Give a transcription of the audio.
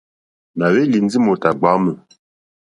Nà hwélì ndí mòtà ɡbwǎmù.